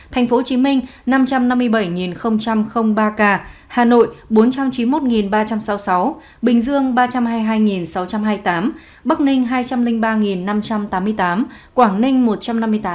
tp hcm năm trăm năm mươi bảy ba ca hà nội bốn trăm chín mươi một ba trăm sáu mươi sáu bình dương ba trăm hai mươi hai sáu trăm hai mươi tám bắc ninh hai trăm linh ba năm trăm tám mươi tám quảng ninh một trăm năm mươi tám ca